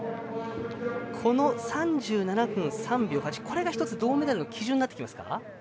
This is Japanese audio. この３７分３秒８が１つ銅メダルの基準になってきますか。